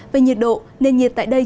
về nhiệt độ nền nhiệt tại đây